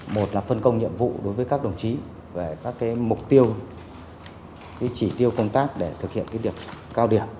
một là phân công nhiệm vụ đối với các đồng chí về các mục tiêu chỉ tiêu công tác để thực hiện điểm cao điểm